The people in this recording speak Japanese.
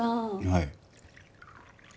はい。